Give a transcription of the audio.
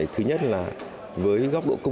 thứ nhất là với góc độ phát triển